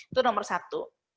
itu nomor satu